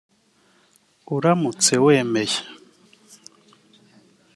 "Uramutse Wemeye"